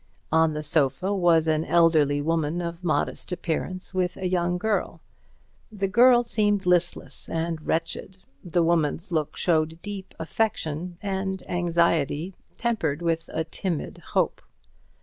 On the sofa was an elderly woman of modest appearance, with a young girl. The girl seemed listless and wretched; the woman's look showed deep affection, and anxiety tempered with a timid hope.